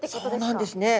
そうなんですね。